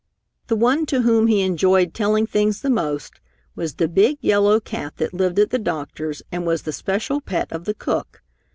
The one to whom he enjoyed telling things the most was the big, yellow cat that lived at the doctor's and was the special pet of the cook.